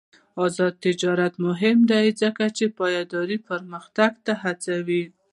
آزاد تجارت مهم دی ځکه چې پایداره پرمختګ هڅوي.